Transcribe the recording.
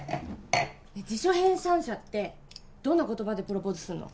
辞書編纂者ってどんな言葉でプロポーズすんの？